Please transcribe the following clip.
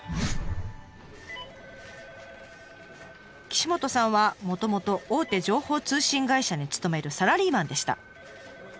岸本さんはもともと大手情報通信会社に勤めるサラリーマンでした。